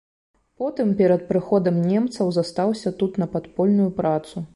Потым перад прыходам немцаў застаўся тут на падпольную працу.